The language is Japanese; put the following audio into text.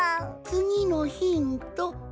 つぎのヒント。